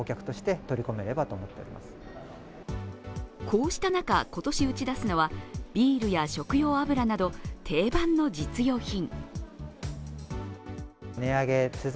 こうした中、今年打ち出すのはビールや食用油など定番の実用品。